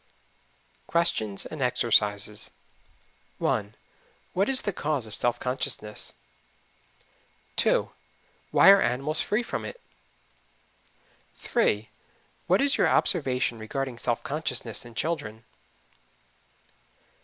QUESTIONS AND EXERCISES. 1. What is the cause of self consciousness? 2. Why are animals free from it? 3. What is your observation regarding self consciousness in children?